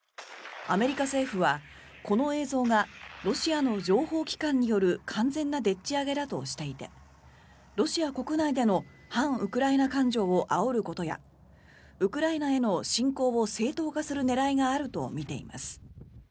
アメリカ政府は、この映像がロシアの情報機関による完全なでっち上げだとしていてロシア国内での反ウクライナ感情をあおることやウクライナへの侵攻を正当化する狙いがあるとみています。